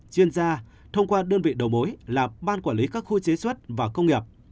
chuyên gia thông qua đơn vị đầu mối là ban quản lý các khu chế xuất và công nghiệp